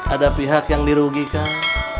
ada pihak yang dirugikan